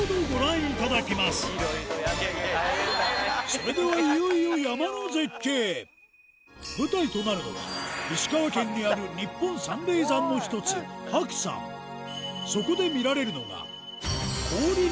それではいよいよ舞台となるのは石川県にある日本三霊山の一つ白山へぇ！